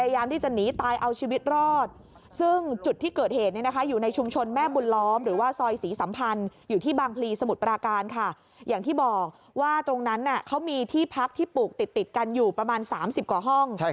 อย่างที่บอกว่าตรงนั้นเขามีที่พักที่ปลูกติดกันอยู่ประมาณ๓๐กว่าห้อง